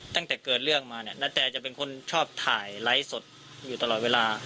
ตั้งแต่เกิดเรื่องมาเนี่ยณแตจะเป็นคนชอบถ่ายไลฟ์สดอยู่ตลอดเวลา